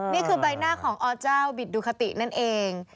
นี่คือใบหน้าของอเจ้าบิตดูคตินั่นเอง